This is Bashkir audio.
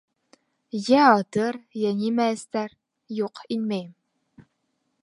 Йә атыр... йә нимә эстәр... юҡ, инмәйем...